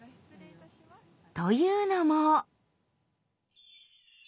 というのも。